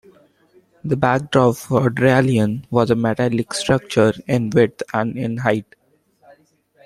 The backdrop for "Dralion" was a metallic structure in width and in height.